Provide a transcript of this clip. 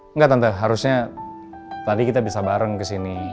enggak tante harusnya tadi kita bisa bareng kesini